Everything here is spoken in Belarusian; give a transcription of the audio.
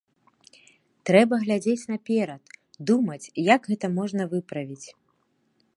Трэба глядзець наперад, думаць, як гэта можна выправіць.